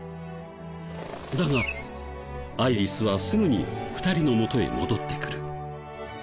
だがアイリスはすぐに２人のもとへ戻ってくる。